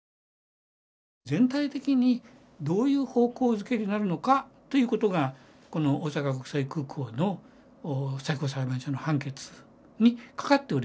全体的にどういう方向付けになるのかということがこの大阪国際空港の最高裁判所の判決に懸かっておりましたからね。